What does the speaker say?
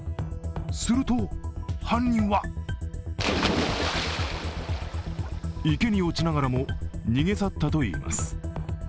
すると犯人は池に落ちながらも逃げ去ったといいます。